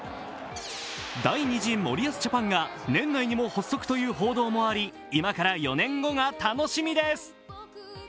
第２次森保ジャパンが年内にも発足という報道もあり今から４年後が楽しみです。